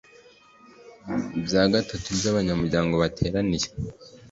bya gatatu by abanyamuryango bateraniye